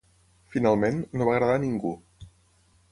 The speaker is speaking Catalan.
Finalment, no va agradar a ningú.